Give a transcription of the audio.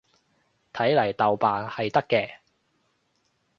睇嚟豆瓣係得嘅